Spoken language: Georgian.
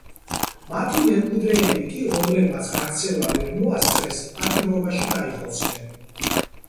მათი მემკვიდრეები კი, რომლებმაც გაქცევა ვერ მოასწრეს, პატიმრობაში დაიხოცნენ.